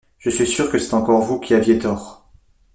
Je suis sûre que c’est encore vous qui aviez tort.